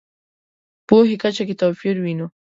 پوهې کچه کې توپیر وینو.